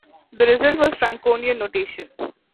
The result was Franconian notation.